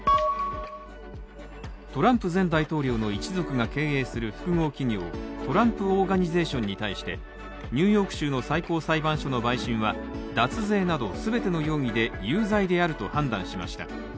トランプ前大統領の一族が経営する複合企業トランプ・オーガニゼーションに対してニューヨーク州の最高裁判所の陪審は脱税など全ての容疑で有罪であると判断しました。